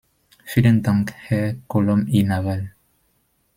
Vielen Dank, Herr Colom i Naval.